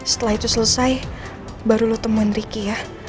setelah itu selesai baru lo temuin ricky ya